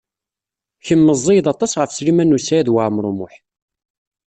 Kemm meẓẓiyeḍ aṭas ɣef Sliman U Saɛid Waɛmaṛ U Muḥ.